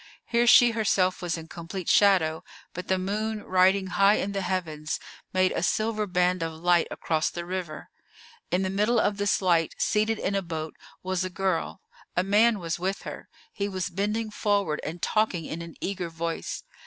Here she herself was in complete shadow, but the moon riding high in the heavens made a silver band of light across the river. In the middle of this light, seated in a boat, was a girl; a man was with her; he was bending forward and talking in an eager voice.